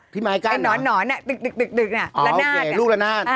พี่ไม้กั้นเหรออ๋อโอเคลูกละนาด